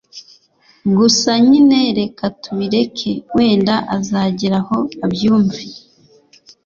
gusa nyine reka tubireke wenda azageraho abyumve